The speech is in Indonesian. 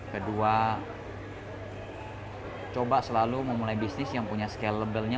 kedua coba selalu memulai bisnis yang punya scalablenya